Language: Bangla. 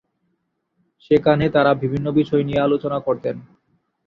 সেখানে তারা বিভিন্ন বিষয় নিয়ে আলোচনা করতেন।